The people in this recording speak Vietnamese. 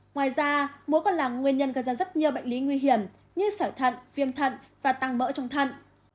ngoài ra muối còn là nguyên nhân gây ra rất nhiều bệnh lý nguy hiểm như sỏi thận viêm thận và tăng mỡ trong thận